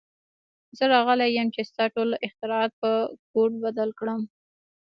زه راغلی یم چې ستا ټول اختراعات په کوډ بدل کړم